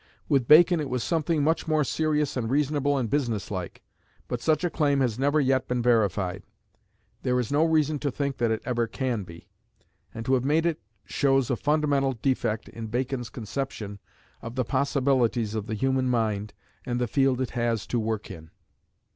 With Bacon it was something much more serious and reasonable and business like. But such a claim has never yet been verified; there is no reason to think that it ever can be; and to have made it shows a fundamental defect in Bacon's conception of the possibilities of the human mind and the field it has to work in.